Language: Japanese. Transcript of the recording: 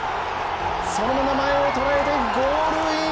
そのまま前をとらえてゴールイン！